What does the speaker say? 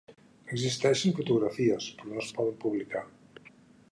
Existeixen fotografies però no es poden publicar.